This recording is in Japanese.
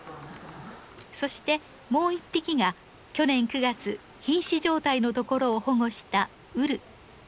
そしてもう一匹が去年９月瀕死状態のところを保護したウル。